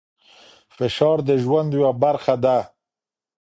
فشار د ژوند یوه برخه ده.